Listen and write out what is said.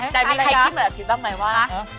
แต่มีใครคิดเหมือนอภิกรได้ไหมว่า